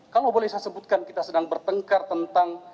kalau boleh saya sebutkan kita sedang bertengkar tentang